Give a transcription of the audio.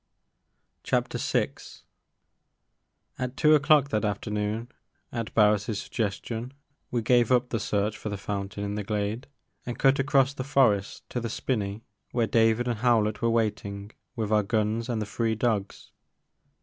'' VI. AT two o'clock that afternoon, at Bams' suggestion, we gave up the search for the fountain in the glade and cut across the forest to the spinney where David and Hiow lett were waiting with our guns and the three dogs.